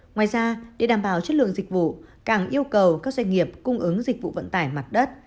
ngoài ra để đảm bảo chất lượng dịch vụ cảng yêu cầu các doanh nghiệp cung ứng dịch vụ vận tải mặt đất